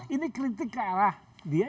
ini kritik ke arah dia